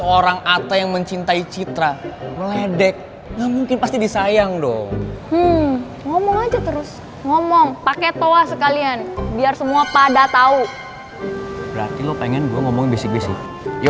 oh yaudah gue duluan ya